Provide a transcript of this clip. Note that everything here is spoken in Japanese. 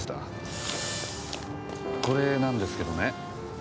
これなんですけどね。